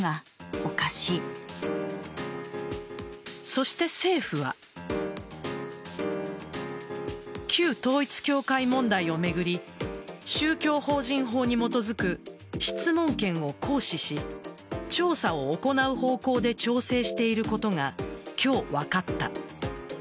そして、政府は旧統一教会問題を巡り宗教法人法に基づく質問権を行使し調査を行う方向で調整していることが今日、分かった。